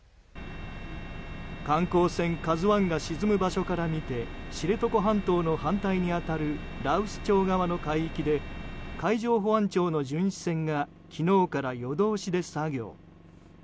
観光船「ＫＡＺＵ１」が沈む場所から見て知床半島の反対に当たる羅臼町側に海域で海上保安庁の巡視船が昨日から夜通しで作業。